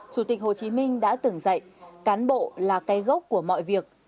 chủ tịch hồ chí minh đã tưởng dạy cán bộ là cây gốc của mọi việc